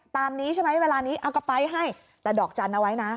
ตามนี้ใช่ไหมเวลานี้เอากระไปให้แต่ดอกจันทร์เอาไว้นะ